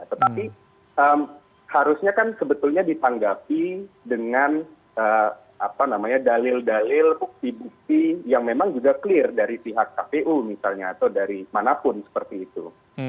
tetapi harusnya kan sebetulnya ditanggapi dengan dalil dalil bukti bukti yang memang juga clear dari pihak kpu misalnya atau dari manapun seperti itu